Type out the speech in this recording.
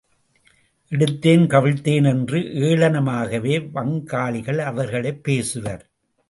எடுத்தேன் கவிழ்த்தேன் என்று ஏளனமாகவே வங்காளிகள் அவர்களைப் பேசுவர்!